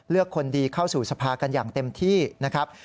คนดีเข้าสู่สภากันอย่างเต็มที่นะครับ